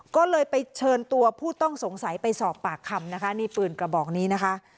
ก็เลยไปเชิญตัวผู้ต้องสงสัยไปสอบปากคำนะคะนี่ปืนกระบอกนี้นะคะ